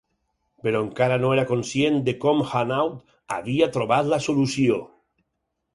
Però encara no era conscient de com Hanaud havia trobat la solució.